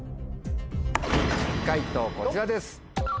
解答こちらです。